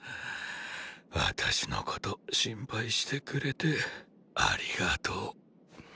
私のこと心配してくれてありがとう。